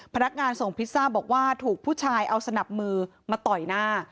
พนักงานส่งพิซซ่าบอกว่าถูกผู้ชายเอาสนับมือมาต่อยหน้า